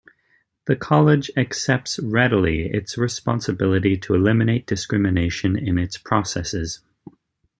The College accepts readily its responsibility to eliminate discrimination in its processes.